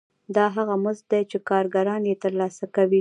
دا هغه مزد دی چې کارګران یې ترلاسه کوي